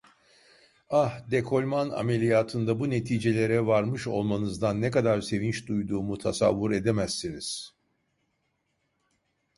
Ah, dekolman ameliyatında bu neticelere varmış olmanızdan ne kadar sevinç duyduğumu tasavvur edemezsiniz.